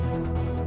aku mau ke rumah